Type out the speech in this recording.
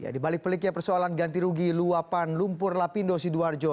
di balik peliknya persoalan ganti rugi luapan lumpur lapindo sidoarjo